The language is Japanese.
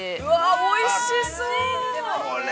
◆おいしそう。